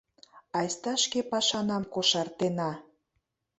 Айста шке пашанам кошартена.